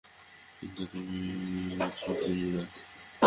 কিন্তু তুমি ইয়ুচি কিমুরা।